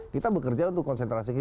kita bekerja untuk konsentrasi